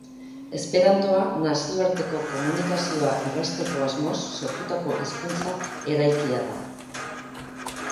Esperantoa nazioarteko komunikazioa errazteko asmoz sortutako hizkuntza eraikia da.